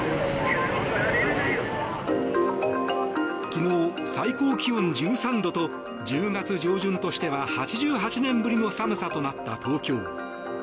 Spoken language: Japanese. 昨日、最高気温１３度と１０月上旬としては８８年ぶりの寒さとなった東京。